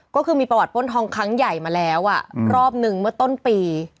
ก็คือมีประวัติป้นทองครั้งใหญ่มาแล้วรอบนึงเมื่อต้นปี